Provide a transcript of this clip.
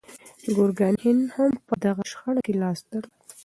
ګورګاني هند هم په دغه شخړه کې لاس درلود.